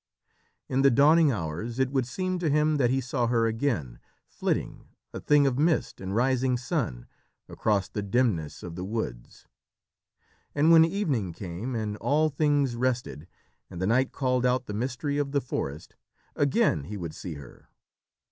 In the dawning hours it would seem to him that he saw her again, flitting, a thing of mist and rising sun, across the dimness of the woods. And when evening came and all things rested, and the night called out the mystery of the forest, again he would see her.